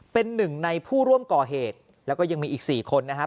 เป็นหนึ่งในผู้ร่วมก่อเหตุแล้วก็ยังมีอีก๔คนนะครับ